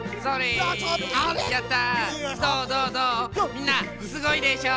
みんなすごいでしょ？